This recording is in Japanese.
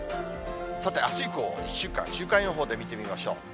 さて、あす以降、１週間、週間予報で見てみましょう。